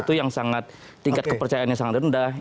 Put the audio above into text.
itu yang sangat tingkat kepercayaannya sangat rendah